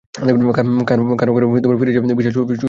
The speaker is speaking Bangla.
কারও কারও ফিরে যাওয়া বিশাল জনগোষ্ঠীর জন্য তৈরি করে গভীর শূন্যতা।